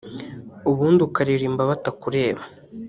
ubundi ukaririmba batakureba